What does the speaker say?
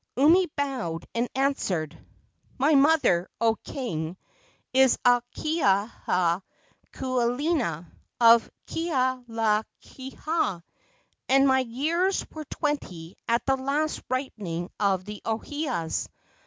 Umi bowed and answered: "My mother, O king, is Akahia kuleana, of Kealakaha, and my years were twenty at the last ripening of the ohias.